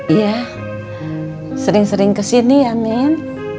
iya sering sering ke sini ya min